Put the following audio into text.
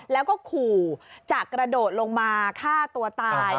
แล้วก็ขู่จะกระโดดลงมาฆ่าตัวตาย